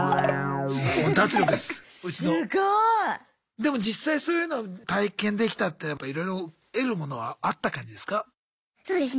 でも実際そういうのを体験できたっていうのはやっぱいろいろ得るものはあった感じですか？